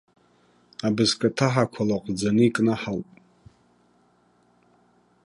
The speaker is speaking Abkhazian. Абызкаҭаҳақәа лаҟәӡаны икнаҳауп.